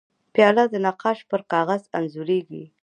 پیاله د نقاش پر کاغذ انځورېږي.